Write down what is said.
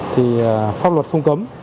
thì pháp luật không cấm